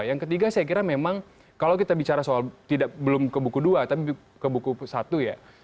yang ketiga saya kira memang kalau kita bicara soal belum ke buku dua tapi ke buku satu ya